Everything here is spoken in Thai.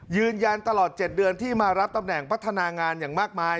ยืนยันตลอด๗เดือนที่มารับตำแหน่งพัฒนางานอย่างมากมาย